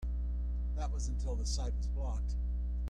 That was until the site was blocked.